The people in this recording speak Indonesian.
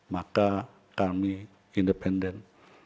maka kami independen